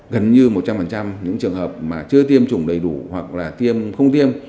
gần như một trăm linh những trường hợp mà chưa tiêm chủng đầy đủ hoặc là tiêm không tiêm